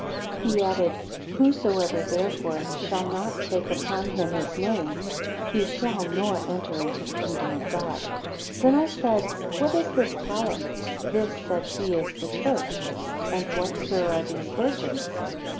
He added, Whosoever there. fore shall not take upon him his name, he shall nor enter into the kingdom of God. 121 Then I said, What is this tower? This, said he, is the church. And what, Sir, are these virgins?